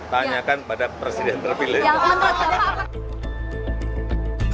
tanyakan pada presiden terpilih